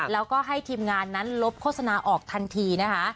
แล้วก็ให้ทีมงานนั้นลบโฆษณาออกทันทีนะคะ